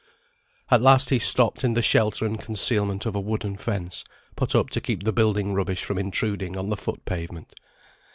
At last he stopped in the shelter and concealment of a wooden fence, put up to keep the building rubbish from intruding on the foot pavement.